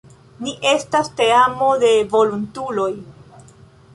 Ni estas teamo de volontuloj.